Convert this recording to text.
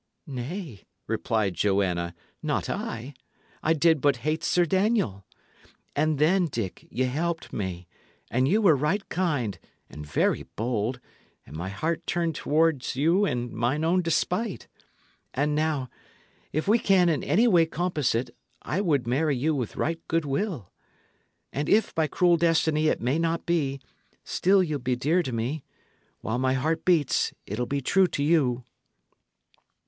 "Nay," replied Joanna, "not I. I did but hate Sir Daniel. And then, Dick, ye helped me, and ye were right kind, and very bold, and my heart turned towards you in mine own despite; and now, if we can in any way compass it, I would marry you with right goodwill. And if, by cruel destiny, it may not be, still ye'll be dear to me. While my heart beats, it'll be true to you."